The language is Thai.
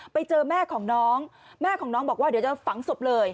ไปเจอแม่ของน้องแม่ของน้องบอกว่าเดี๋ยวจะฝังศพเลย